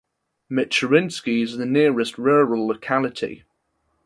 Michurinsky is the nearest rural locality.